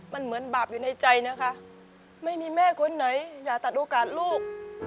มันเหมือนบาปอยู่ในใจนะคะไม่มีแม่คนไหนอย่าตัดโอกาสลูก